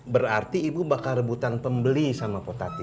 berarti ibu bakal rebutan pembeli sama potati